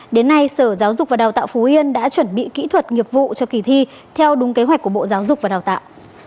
đến nay sở giáo dục và đào tạo phú yên đã chuẩn bị kỹ thuật nghiệp vụ cho kỳ thi theo đúng kế hoạch của bộ giáo dục và đào tạo